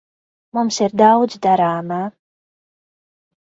Mums ir daudz darāmā.